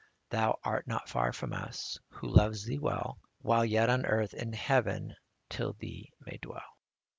Thou art not far from us : who loves Thee well, While yet on earth, in heaven with Thee may dwell.